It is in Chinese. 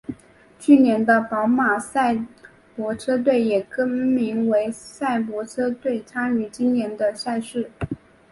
去年的宝马萨伯车队也更名为萨伯车队参与今年的赛事。